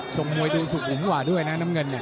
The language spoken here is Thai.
ส่งมวยดูสุดอุ่งหวะด้วยนะน้ำเงิน